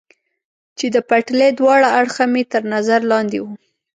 چې د پټلۍ دواړه اړخه مې تر نظر لاندې و.